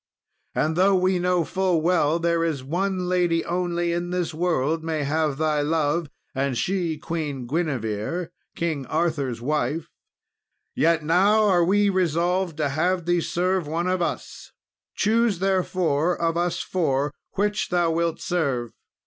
And though we know full well there is one lady only in this world may have thy love, and she Queen Guinevere King Arthur's wife yet now are we resolved to have thee to serve one of us; choose, therefore, of us four which thou wilt serve.